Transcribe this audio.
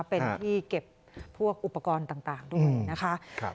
เป็นที่เก็บพวกอุปกรณ์ต่างด้วยนะคะ